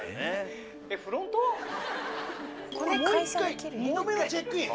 これもう１回２度目のチェックイン？